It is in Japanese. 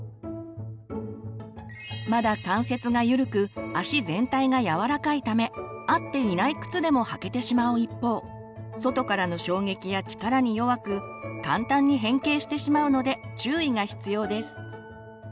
まだ関節がゆるく足全体がやわらかいため合っていない靴でも履けてしまう一方外からの衝撃や力に弱く簡単に変形してしまうので注意が必要です。